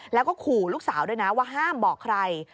แล้วก็ขู่ลูกสาวด้วยนะว่าห้ามบอกใคร